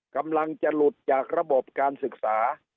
กำลังจะหลุดจากระบบการศึกษา